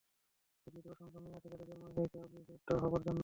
পৃথিবীতে অসংখ্য মেয়ে আছে যাদের জন্মই হয়েছে অভিভূত হবার জন্যে।